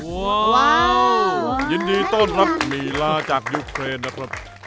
ว้าวยินดีต้อนรับลีลาจากยูเครนนะครับ